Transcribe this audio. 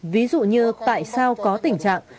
ví dụ như tại sao có tình trạng